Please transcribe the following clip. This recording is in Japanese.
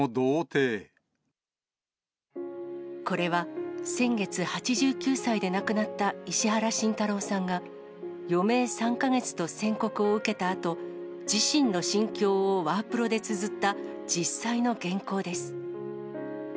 これは先月、８９歳で亡くなった石原慎太郎さんが、余命３か月と宣告を受けたあと、自身の心境をワープロでつづった実際の原稿です。